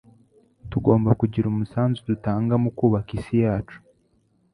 Tugomba kugira umusanzu dutanga mu kubaka isi yacu